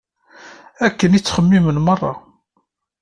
Akken i ttxemmimen meṛṛa.